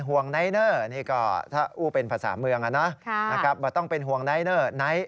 หัวใจสองดวงด้วย